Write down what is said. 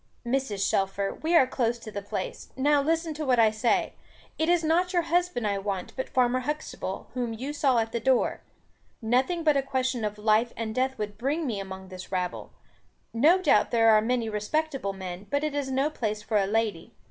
"Mrs. Shelfer, we are close to the place. Now, listen to what I say. It is not your husband I want, but Farmer Huxtable, whom you saw at the door. Nothing but a question of life and death would bring me among this rabble. No doubt there are many respectable men, but it is no place for a lady.